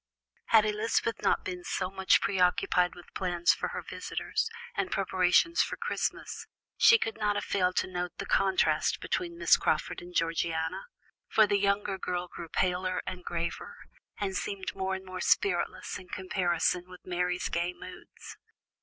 Had Elizabeth not been so much occupied with plans for her visitors, and preparations for Christmas, she could not have failed to note the contrast between Miss Crawford and Georgiana, for the younger girl grew paler and graver, and seemed more and more spiritless in comparison with Mary's gay moods.